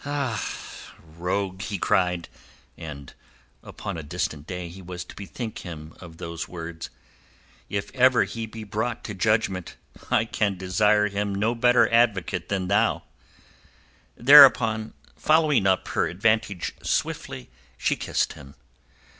"Rogue!" he cried—and upon a distant day he was to bethink him of those words. "If ever he be brought to judgment I can desire him no better advocate than thou." Thereupon following up her advantage swiftly, she kissed him.